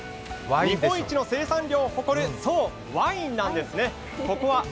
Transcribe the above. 日本一の生産量を誇るワインですね。